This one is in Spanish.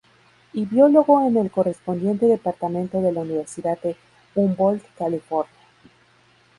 Y biólogo en el correspondiente Departamento de la Universidad de Humboldt, California.